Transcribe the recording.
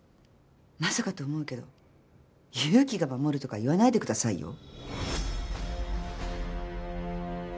まさかと思うけど勇気が護るとか言わないでくださいよ。